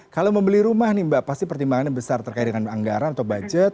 kalau membeli rumah nih mbak pasti pertimbangannya besar terkait dengan anggaran atau budget